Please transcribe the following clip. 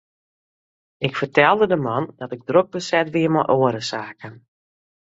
Ik fertelde de man dat ik drok beset wie mei oare saken.